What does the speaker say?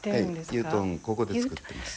油団ここで作ってます。